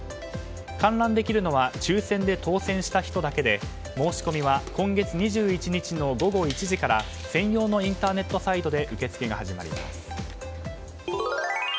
観覧できるのは抽選で当選した人だけで申し込みは今月２１日の午後１時から専用のインターネットサイトで受け付けが始まります。